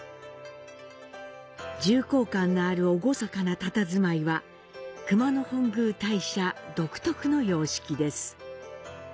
重厚感のある厳かなたたずまいは熊野本宮大社、独特の様式です。